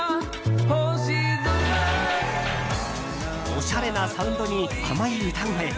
おしゃれなサウンドに甘い歌声。